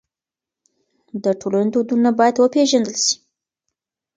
د ټولني دودونه بايد وپېژندل سي.